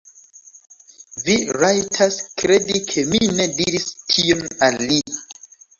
Vi rajtas kredi ke mi ne diris tion al li.